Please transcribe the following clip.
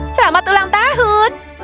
selamat ulang tahun